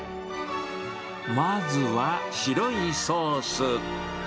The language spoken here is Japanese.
まずは白いソース。